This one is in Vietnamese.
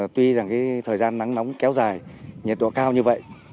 tuy rằng cái thời gian nắng nóng kéo dài nhiệt độ cao như vậy